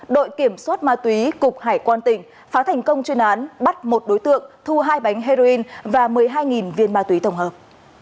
đội kiểm soát ma túy cục hải quan tỉnh phá thành công chuyên án bắt một đối tượng thu hai bánh heroin và một mươi hai viên ma túy tổng hợp